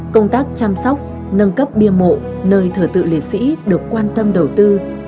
công tác chăm sóc nâng cấp biên mộ nơi thở tự liệt sĩ được quan tâm đầu tư